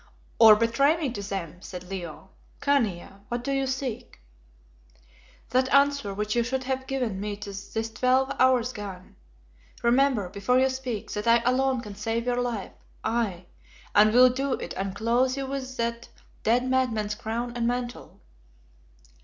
"Or betray me to them," said Leo. "Khania, what do you seek?" "That answer which you should have given me this twelve hours gone. Remember, before you speak, that I alone can save your life aye, and will do it and clothe you with that dead madman's crown and mantle."